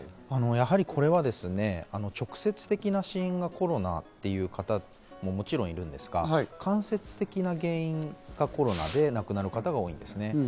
これはやはり直接的な死因がコロナという方も、もちろんいるんですが、間接的な原因がコロナで亡くなる方が多いんですね。